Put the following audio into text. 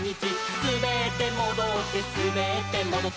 「すべってもどってすべってもどって」